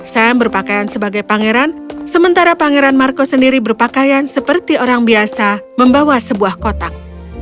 sam berpakaian sebagai pangeran sementara pangeran marco sendiri berpakaian seperti orang biasa membawa sebuah kotak